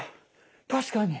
確かに。